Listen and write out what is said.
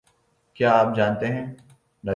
کیا آپ جانتے ہیں